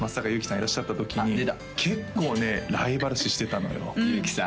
いらっしゃった時に結構ねライバル視してたのよゆうきさん